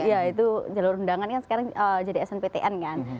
iya itu jalur undangan kan sekarang jadi snptn kan